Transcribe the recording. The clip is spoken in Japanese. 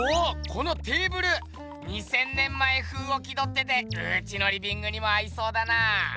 このテーブル２，０００年前風を気どっててうちのリビングにも合いそうだな！